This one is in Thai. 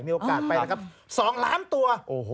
มีโอกาสไปนะครับ๒ล้านตัว